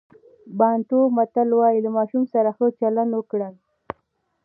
بانټو متل وایي له ماشوم سره ښه چلند وکړئ.